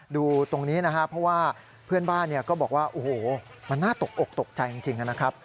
ดูตรงนี้เพราะว่าเพื่อนบ้านก็บอกว่าโอ้โหมันน่าตกอกตกใจจริง